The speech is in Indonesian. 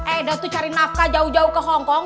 eda tuh cari nafkah jauh jauh ke hongkong